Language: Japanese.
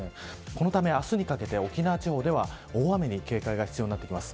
このため明日にかけて沖縄地方では大雨に警戒が必要です。